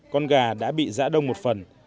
con gà đã bị giã đông một phần